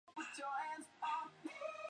官至两浙都转盐运使司盐运使。